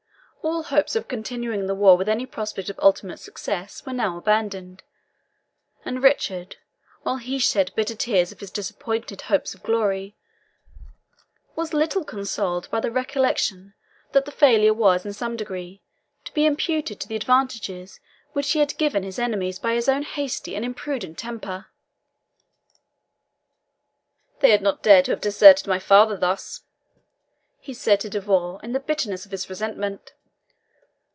All hopes of continuing the war with any prospect of ultimate success were now abandoned; and Richard, while he shed bitter tears over his disappointed hopes of glory, was little consoled by the recollection that the failure was in some degree to be imputed to the advantages which he had given his enemies by his own hasty and imprudent temper. "They had not dared to have deserted my father thus," he said to De Vaux, in the bitterness of his resentment.